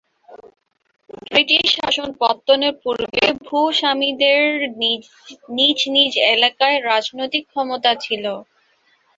British শাসন পত্তনের পূর্বে ভূস্বামীদের নিজ নিজ এলাকায় রাজনৈতিক ক্ষমতা ছিল।